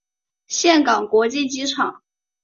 岘港国际机场。